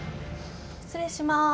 失礼します。